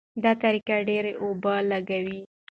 دا طریقه ډېرې اوبه لګوي.